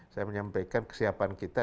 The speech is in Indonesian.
saya menyampaikan kesiapan kita